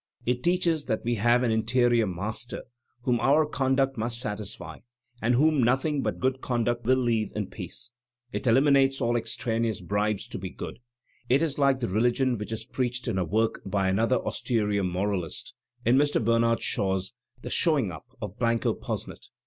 It teaches that we have an interior Master whom our conduct must satisfy and whom nothing but good conduct will leave in peace. It eliminates all extraneous bribes tb be good. It is like the religion which is preached in a work by another austere moralist — in Mr. Bernard Shaw's "The Showing Up of Blanco Posnet."